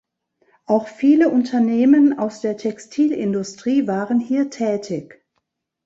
Auch viele Unternehmen aus der Textilindustrie waren hier tätig.